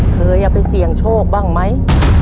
เคยเอาไปเสี่ยงโชคบ้างไหม